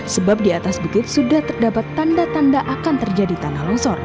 sebab di atas bukit sudah terdapat tanda tanda akan terjadi tanah longsor